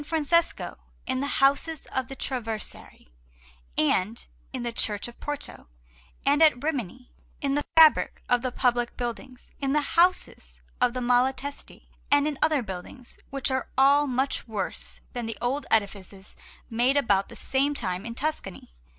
Francesco, in the houses of the Traversari, and in the Church of Porto; and at Rimini, in the fabric of the public buildings, in the houses of the Malatesti, and in other buildings, which are all much worse than the old edifices made about the same time in Tuscany.